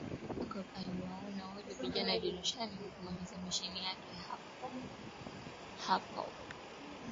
Jacob aliwaona wale vijana dirishani na kumaliza misheni yake hapo hapo